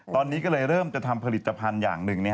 ตอนนี้ก็เลยเริ่มจะทำผลิตภัณฑ์อย่างหนึ่ง